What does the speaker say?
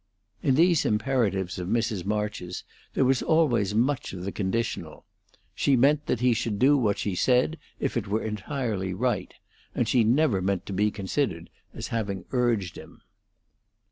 In these imperatives of Mrs. March's there was always much of the conditional. She meant that he should do what she said, if it were entirely right; and she never meant to be considered as having urged him.